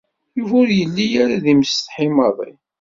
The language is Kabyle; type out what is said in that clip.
Yuba ur yelli ara d imsetḥi maḍi.